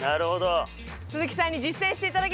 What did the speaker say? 鈴木さんに実践していただきましょう！